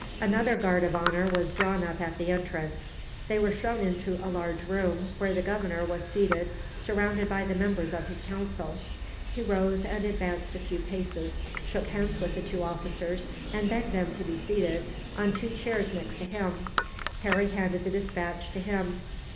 Another guard of honour was drawn up at the entrance. They were shown into a large room, where the Governor was seated, surrounded by the members of his council. He rose and advanced a few paces, shook hands with the two officers, and begged them to be seated, on two chairs next to him. Harry handed the despatch to him.